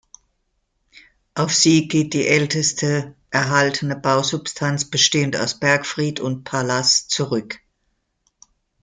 Auf sie geht die älteste erhaltene Bausubstanz, bestehend aus Bergfried und Palas, zurück.